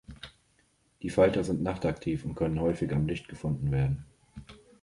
Die Falter sind nachtaktiv und können häufig am Licht gefunden werden.